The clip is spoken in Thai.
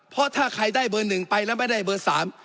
เพราะถ้าใครได้เบอร์๑ไปแล้วไม่ได้เบอร์๓